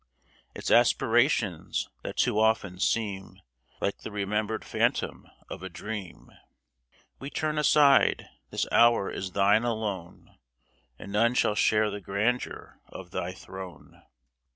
Its aspirations, that too often seem Like the remembered phantoms of a dream, We turn aside. This hour is thine alone, And none shall share the grandeur of thy throne.